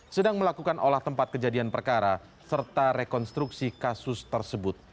sedang melakukan olah tempat kejadian perkara serta rekonstruksi kasus tersebut